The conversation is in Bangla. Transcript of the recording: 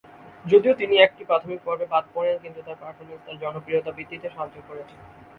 যদিও তিনি একটি প্রাথমিক পর্বে বাদ পড়েন, কিন্তু তার পারফরম্যান্স তার জনপ্রিয়তা বৃদ্ধিতে সাহায্য করেছে।